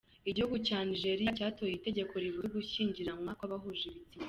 Igihugu cya Nigeria cyatoye itegeko ribuza ugushyingiranwa kw’abahuje ibitsina.